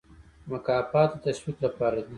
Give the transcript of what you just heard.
مکافات د تشویق لپاره دي